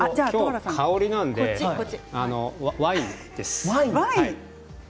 今日は香りなのでワインです。